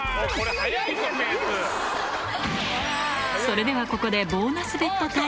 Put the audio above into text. それではここで。